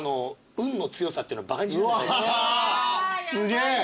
すげえ。